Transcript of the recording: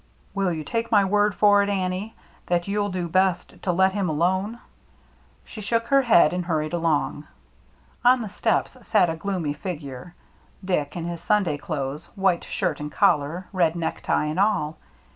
" Will you take my word for it, Annie, — that you'll do best to let him alone ?" She shook her head and hurried along. On the steps sat a gloomy figure — Dick, in his Sunday clothes, white shirt and collar, red necktie, and all.